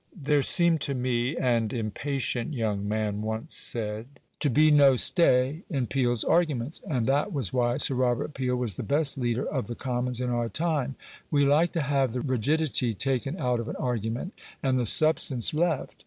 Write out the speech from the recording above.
"There seem to me," an impatient young man once said, "to be no stay in Peel's arguments." And that was why Sir Robert Peel was the best leader of the Commons in our time; we like to have the rigidity taken out of an argument, and the substance left.